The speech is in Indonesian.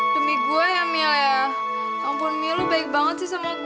demi gue ya mil ya ampun mil lo baik banget sih sama gue